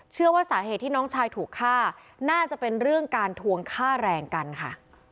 เชื่อว่าสาเหตุที่น้องชายถูกฆ่าน่าจะเป็นเรื่องการทวงค่าแรงกันค่ะ